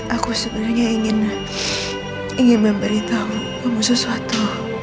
aku sebenarnya ingin memberitahu kamu sesuatu